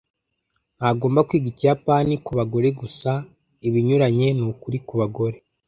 ntagomba kwiga ikiyapani kubagore gusa. Ibinyuranye nukuri kubagore.